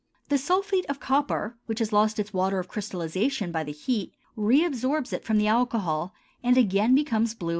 The sulphate of copper which has lost its water of crystallization by the heat reabsorbs it from the alcohol and again becomes blue and crystalline.